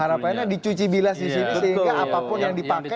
harapannya dicuci bilas disini sehingga apapun yang dipakai